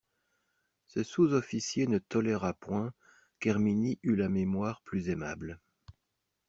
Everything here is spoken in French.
Ce sous-officier ne toléra point qu'Herminie eût la mémoire plus aimable.